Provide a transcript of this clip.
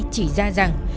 chỉ ra rằng